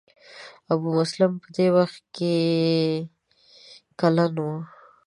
ابو مسلم په دې وخت کې کلن و.